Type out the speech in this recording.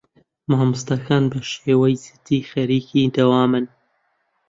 مامۆستاکان بەشێوەی جدی خەریکی دەوامن.